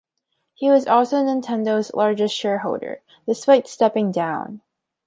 He was also Nintendo's largest shareholder despite stepping down.